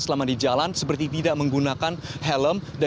selama di jalan seperti tidak menggunakan helm